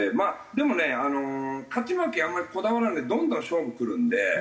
でもね勝ち負けあんまりこだわらないどんどん勝負くるんで。